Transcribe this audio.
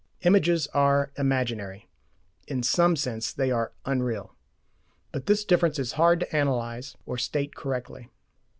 Images are "imaginary"; in SOME sense they are "unreal." But this difference is hard to analyse or state correctly.